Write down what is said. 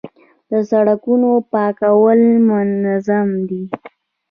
د سړکونو پاکول منظم دي؟